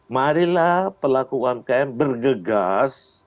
marilah pelaku umkm bergegas